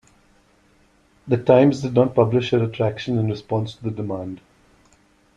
The "Times" did not publish a retraction in response to the demand.